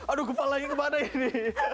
aduh kepala lagi kemana ini